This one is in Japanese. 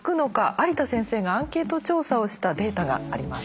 有田先生がアンケート調査をしたデータがあります。